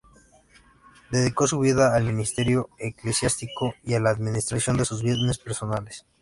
Dedicó su vida al ministerio eclesiástico y a la administración de sus bienes personales.